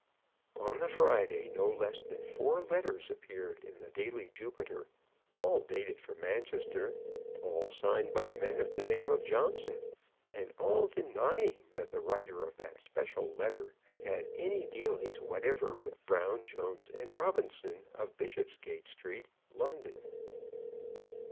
On the Friday no less than four letters appeared in the daily Jupiter, all dated from Manchester, all signed by men of the name of Johnson, and all denying that the writer of that special letter had had any dealings whatever with Brown, Jones, and Robinson, of Bishopsgate Street, London.